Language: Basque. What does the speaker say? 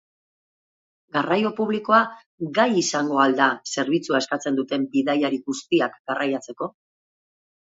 Garraio publikoa gai izango al da zerbitzua eskatzen duten bidaiari guztiak garraiatzeko?